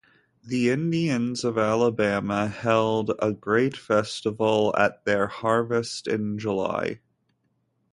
The Indians of Alabama held a great festival at their harvest in July.